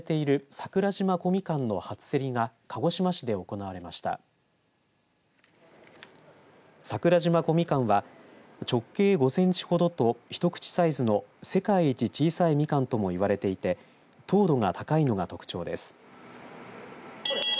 桜島小みかんは直径５センチほどと一口サイズの世界一小さいみかんともいわれていて糖度が高いのが特徴です。